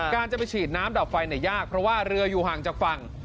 การจะไปฉีดน้ำดับไฟยากเพราะว่าเรืออยู่ห่างจากฝั่ง